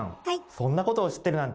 そんなことを知っているなんて